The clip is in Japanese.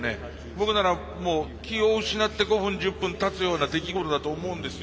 僕ならもう気を失って５分１０分たつような出来事だと思うんですよ。